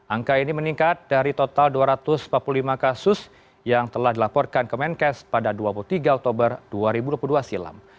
angka ini meningkat dari total dua ratus empat puluh lima kasus yang telah dilaporkan ke menkes pada dua puluh tiga oktober dua ribu dua puluh dua silam